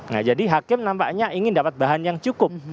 nah jadi hakim nampaknya ingin dapat bahan yang cukup